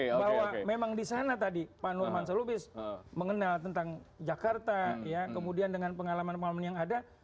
bahwa memang di sana tadi pak nurman salubis mengenal tentang jakarta ya kemudian dengan pengalaman pengalaman yang ada